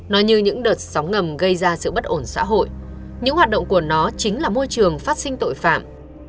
nó như những đợt sóng ngầm gây ra sự bất ổn xã hội những hoạt động của nó chính là môi trường phát sinh tội phạm